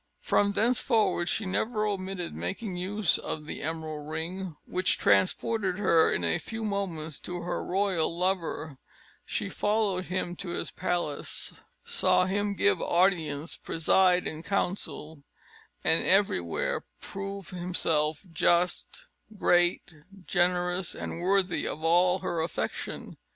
From thenceforward she never omitted making use of the emerald ring, which transported her in a few moments to her royal lover: she followed him to his palace, saw him give audiences, preside in council, and everywhere prove himself just, great, generous, and worthy of all her affection.